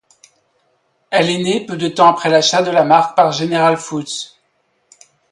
Elle est née peu de temps après l'achat de la marque par General Foods.